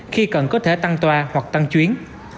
khi cần có thể tăng toa hoặc tăng chuyến